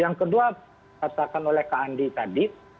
yang kedua katakan oleh kak andi tadi